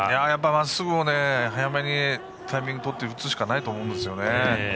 まっすぐを早めにタイミングをとって打つしかないと思いますね。